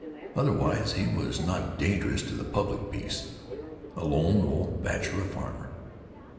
Otherwise he was not dangerous to the public peace; a lone old bachelor farmer.